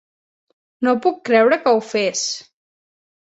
No puc creure que ho fes!